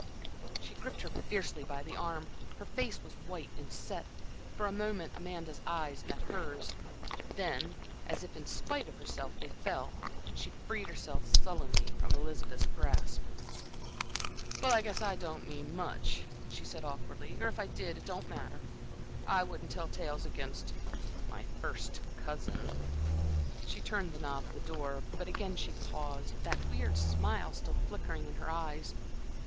She gripped her fiercely by the arm, her face was white and set. For a moment Amanda's eyes met hers. Then, as if in spite of herself, they fell, she freed herself sullenly from Elizabeth's grasp. "Well, I guess I didn't mean much," she said, awkwardly, "or if I did, it don't matter. I wouldn't tell tales against my first cousin" She turned the knob of the door, but again she paused, that weird smile still flickering in her eyes.